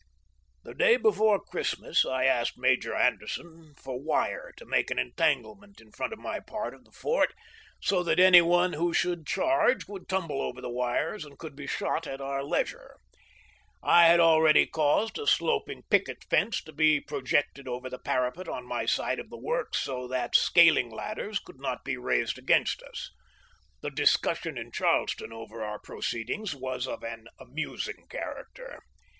The day before Christmas I asked Major Anderson for wire to make an entanglement in front of my part of the fort, so that any one who should charge would tumble over the wires and could be shot at our leisure. I had already caused a sloping picket fence to be projected over the parapet on my side of the works so that scaling ladders could not be raised against us. The dis cussion in Charleston over our proceedings was of an amusing character.